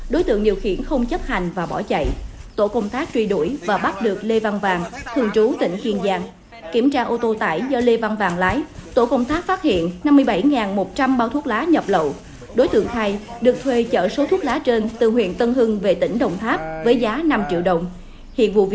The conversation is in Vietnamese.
đối tượng điều khiển không chấp hành và bỏ chạy tổ công tác truy đuổi và bắt được lê văn vàng thường trú tỉnh kiên giang kiểm tra ô tô tải do lê văn vàng lái tổ công tác phát hiện năm mươi bảy một trăm linh bao thuốc lá nhập lậu